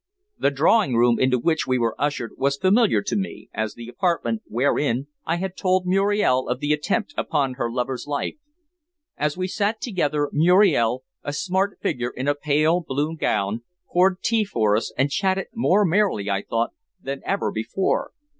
The drawing room into which we were ushered was familiar to me as the apartment wherein I had told Muriel of the attempt upon her lover's life. As we sat together Muriel, a smart figure in a pale blue gown, poured tea for us and chatted more merrily, I thought, than ever before.